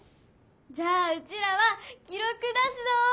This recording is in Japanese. じゃあうちらは記ろく出すぞ！